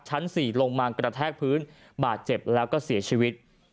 ชั้น๔ลงมากระแทกพื้นบาดเจ็บแล้วก็เสียชีวิต